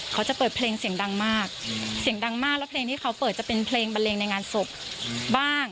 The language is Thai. เขาจะเปิดเพลงเสียงดังมากเสียงดังมากแล้วเพลงที่เขาเปิดจะเป็นเพลงบันเลงในงานศพบ้าง